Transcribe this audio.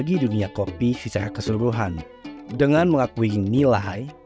hingga setiap tubuhkan kopi yang membawa kita